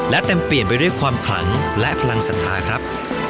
และเต็มเปลี่ยนไปด้วยความขลังและพลังศรัทธาครับ